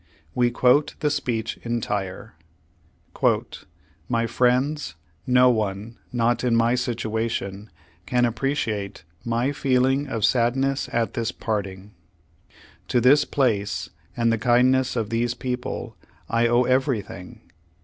We quote the speech entire : "My friends, no one, not in my situation, can appreci ate my feeling: of sadness at this parting. To this place, and the kindness of these people, I owe everything.